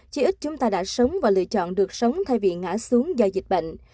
chứ ít chúng ta đã sống và lựa chọn được sống thay vì ngã xuống do dịch bệnh